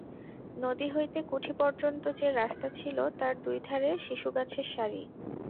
নদী হইতে কুঠি পর্যন্ত যে রাস্তা ছিল তার দুই ধারে সিসুগাছের সারি।